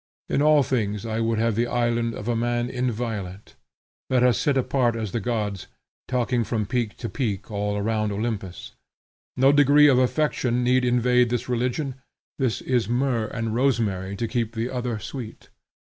In all things I would have the island of a man inviolate. Let us sit apart as the gods, talking from peak to peak all round Olympus. No degree of affection need invade this religion. This is myrrh and rosemary to keep the other sweet.